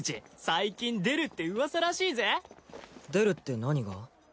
最近出るって噂らしいぜ出るって何が？